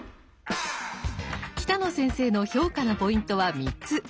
北野先生の評価のポイントは３つ。